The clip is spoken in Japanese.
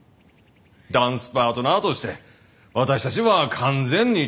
ダンスパートナーとして私たちは完全に対等じゃ！